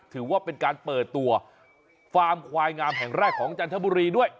ถือว่าเป็นการเปิดตัวฟาร์มควายงามแห่งแรกของจันทบุรีด้วย